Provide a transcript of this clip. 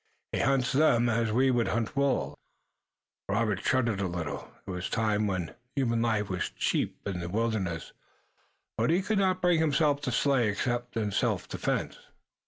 He hunts them as we would hunt wolves." Robert shuddered a little. It was a time when human life was held cheap in the wilderness, but he could not bring himself to slay except in self defense.